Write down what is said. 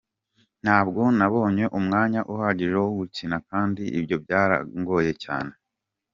Ntabwo nabonye umwanya uhagije wo gukina kandi ibyo byarangoye cyane.